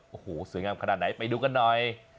โอ้โหสวยงามขนาดไหนไปดูกันหน่อย